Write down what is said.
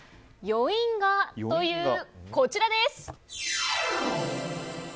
余韻がという、こちらです。